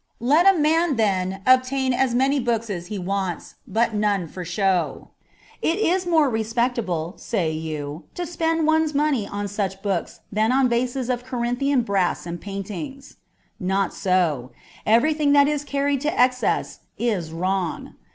Let a man, then, obtain as many books as he wants, but none for show. "It is more respectable," say you, " to spend one's money on such books than on vases of Corinthian brass and paintings." Not so : everything that is carried to excess is wrong.